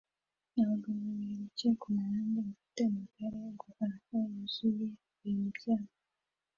Abagabo babiri bicaye kumuhanda bafite amagare yo guhaha yuzuyemo ibintu byabo